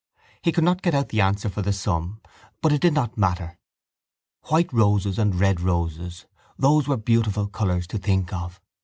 He could not get out the answer for the sum but it did not matter. White roses and red roses: those were beautiful colours to think of.